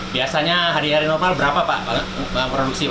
biasanya hari hari normal berapa pak